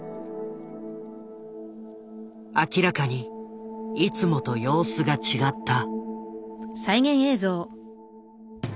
明らかにいつもと様子が違った。